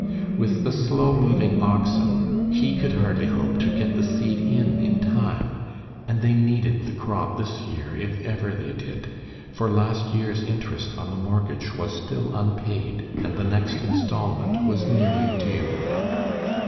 With the slow moving oxen, he could hardly hope to get the seed in in time, and they needed the crop this year if ever they did, for last year's interest on the mortgage was still unpaid and the next installment was nearly due.